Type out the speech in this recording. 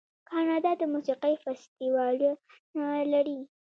کاناډا د موسیقۍ فستیوالونه لري.